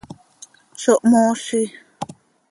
¡Zo mhoozi!